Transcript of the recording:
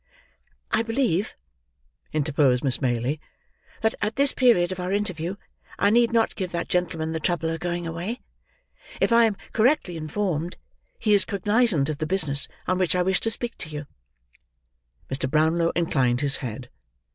"I believe," interposed Miss Maylie, "that at this period of our interview, I need not give that gentleman the trouble of going away. If I am correctly informed, he is cognizant of the business on which I wish to speak to you." Mr. Brownlow inclined his head. Mr.